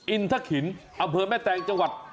อินทะขินอำเภอแม่แตงจังหวัด